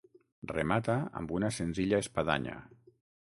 Remata amb una senzilla espadanya.